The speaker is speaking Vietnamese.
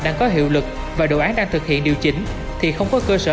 đang có hiệu lực và đồ án đang thực hiện điều chỉnh thì không có cơ sở